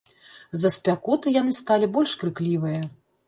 З-за спякоты яны сталі больш крыклівыя.